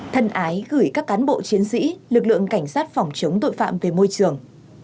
thân ái gửi các cán bộ chiến sĩ lực lượng cảnh sát phòng chống tội phạm về môi trường